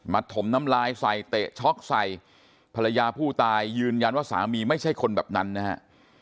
ถมน้ำลายใส่เตะช็อกใส่ภรรยาผู้ตายยืนยันว่าสามีไม่ใช่คนแบบนั้นนะฮะ